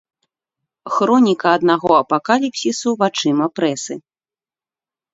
Хроніка аднаго апакаліпсісу вачыма прэсы.